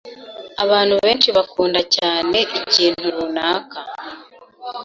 Abantu benshi bakunda cyane ikintu runaka.